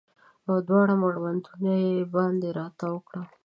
او دواړه مړوندونه یې باندې راتاو کړه